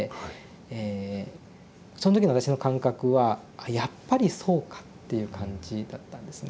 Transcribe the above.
その時の私の感覚は「やっぱりそうか」っていう感じだったんですね。